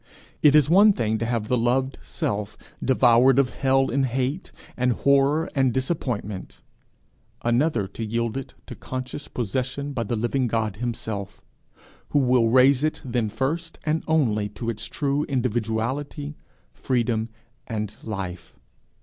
It is one thing to have the loved self devoured of hell in hate and horror and disappointment; another to yield it to conscious possession by the living God himself, who will raise it then first and only to its true individuality, freedom, and life.